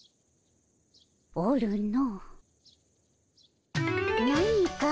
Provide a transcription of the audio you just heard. おるの。